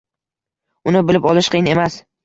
Uni bilib olish qiyin emas.